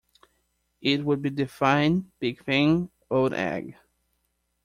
It would be the fine, big thing, old egg.